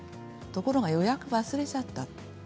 ところが、予約を忘れちゃった。